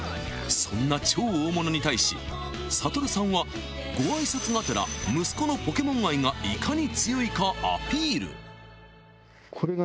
［そんな超大物に対し悟さんはご挨拶がてら息子のポケモン愛がいかに強いかアピール］